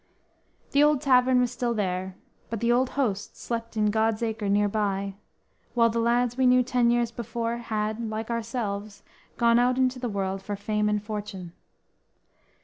The old tavern was still there, but the old host slept in God's acre near by, while the lads we knew ten years before, had, like ourselves, gone out into the world for fame and fortune.